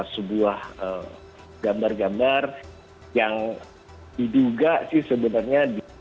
sebuah gambar gambar yang diduga sih sebenarnya